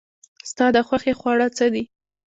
ستا د خوښې خواړه څه دي؟